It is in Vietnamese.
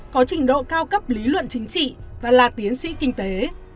có trình độ cao cấp lý luận chính trị và là tiến sĩ kinh tế